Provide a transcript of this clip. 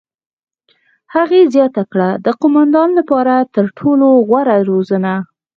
هغې زیاته کړه: "د قوماندان لپاره تر ټولو غوره روزنه.